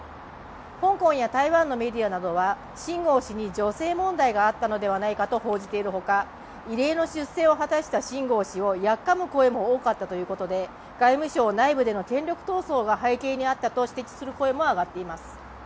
香港や台湾のメディアなどは秦剛氏に女性問題があったのではないかと報じている他異例の出世を果たした秦剛氏をやっかむ声も多かったということで外務省内部での権力闘争が背景にあったのではないかと指摘する声も上がっています。